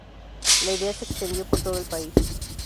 La idea se extendió por todo el país.